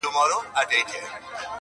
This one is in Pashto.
د هندو او کلیمې یې سره څه,